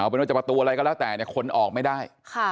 เอาเป็นว่าจะประตูอะไรก็แล้วแต่เนี้ยขนออกไม่ได้ค่ะ